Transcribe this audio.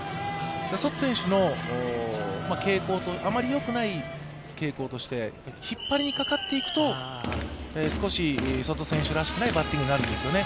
ソト選手のあまりよくない傾向として引っ張りにかかっていくと少しソト選手らしくないバッティングになるんですよね。